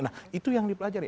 nah itu yang dipelajari